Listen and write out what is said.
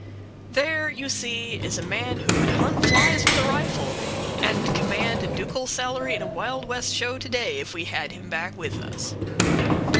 There, you see, is a man who could hunt flies with a rifle, and command a ducal salary in a Wild West show to day if we had him back with us.